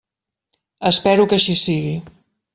Espero que així sigui.